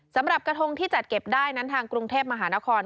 สำหรับกระทงที่จัดเก็บได้นั้นทางกรุงเทพมหานคร